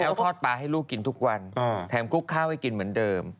แล้วทอดปลาให้ลูกกินทุกวันแถมคลุกข้าวให้กินเหมือนเดิม